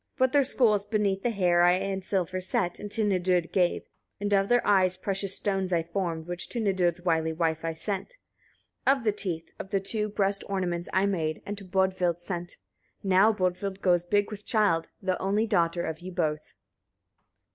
33. But their skulls beneath the hair I in silver set, and to Nidud gave; and of their eyes precious stones I formed, which to Nidud's wily wife I sent. 34. Of the teeth of the two, breast ornaments I made, and to Bodvild sent. Now Bodvild goes big with child, the only daughter of you both."